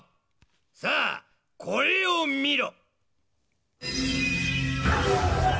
さあこれをみろ。